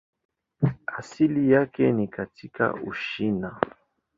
Asili yake ni katika Uchina.